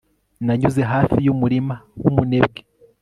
nanyuze hafi y'umurima w'umunebwe